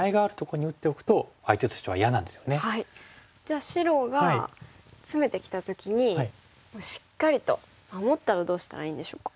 じゃあ白がツメてきた時にしっかりと守ったらどうしたらいいんでしょうか。